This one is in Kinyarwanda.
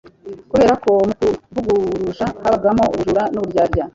Kubera ko mu kuvuruja habagamo ubujura n'uburyarya,